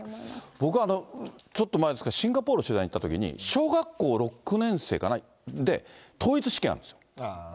僕はちょっと前ですけど、シンガポールに取材に行ったときに、小学校６年生かな、統一試験があるんです。